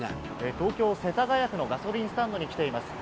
東京・世田谷区のガソリンスタンドに来ています。